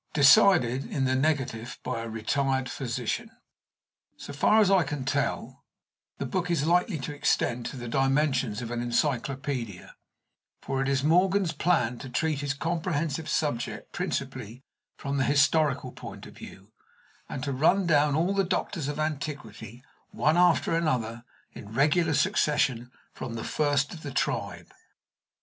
Decided in the Negative by a Retired Physician." So far as I can tell, the book is likely to extend to the dimensions of an Encyclopedia; for it is Morgan's plan to treat his comprehensive subject principally from the historical point of view, and to run down all the doctors of antiquity, one after another, in regular succession, from the first of the tribe.